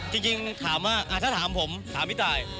จริงถามว่าถ้าถามผมถามพี่ตาย